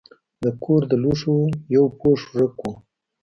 د کور د لوښو یو پوښ ورک و.